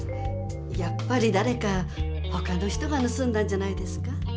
やっぱりだれかほかの人がぬすんだんじゃないですか？